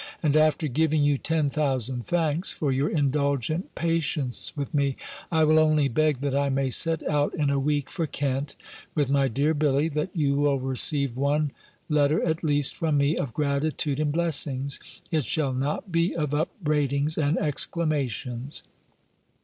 And after giving you ten thousand thanks for your indulgent patience with me, I will only beg, that I may set out in a week for Kent, with my dear Billy; that you will receive one letter at least, from me, of gratitude and blessings; it shall not be of upbraidings and exclamations.